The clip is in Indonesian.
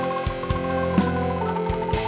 gak ada yang nanya